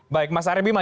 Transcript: baik mas arya